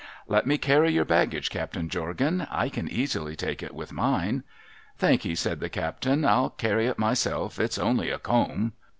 ' Let me carry your baggage, Captain Jorgan ; I can easily take it with mine.' ' Thank'ee,' said the captain. ' I'll carry it myself. It's only a comb.'